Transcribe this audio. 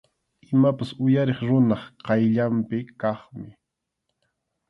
Imapas uyariq runap qayllanpi kaqmi.